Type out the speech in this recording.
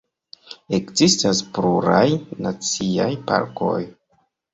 Ekzistas pluraj naciaj parkoj.